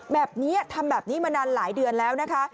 แบบนี้ทำแบบนี้มานานหลายเดือนแล้วนะคะ